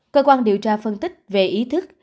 cơ quan điều tra phân tích về ý thức